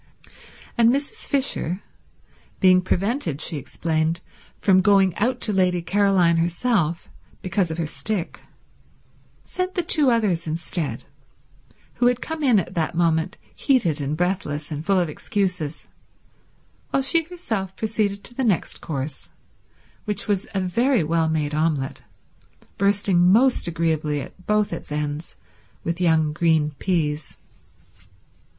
And Mrs. Fisher, being prevented, she explained, from going out to Lady Caroline herself because of her stick, sent the two others instead, who had come in at that moment heated and breathless and full of excuses, while she herself proceeded to the next course, which was a very well made omelette, bursting most agreeably at both its ends with young green peas.